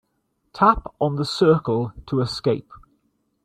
Tap on the circle to escape.